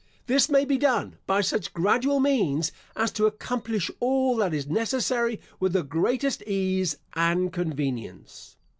This may be done by such gradual means as to accomplish all that is necessary with the greatest ease and convenience.